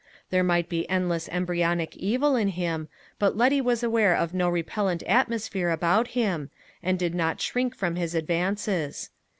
There might be endless embryonic evil in him, but Letty was aware of no repellent atmosphere about him, and did not shrink from his advances.